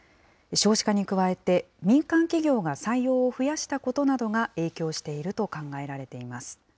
少子化に加えて、民間企業が採用を増やしたことなどが影響していると考えられています。